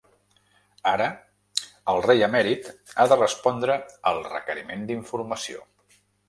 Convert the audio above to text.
Ara, el rei emèrit ha de respondre al requeriment d’informació.